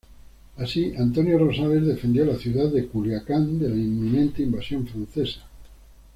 Así Antonio Rosales defendió la Ciudad de Culiacán de la inminente invasión francesa.